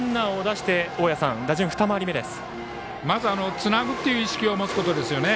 つなぐという意識を持つことですね。